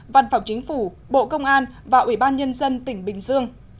văn phòng chính phủ bộ công an và ủy ban nhân dân tỉnh bình dương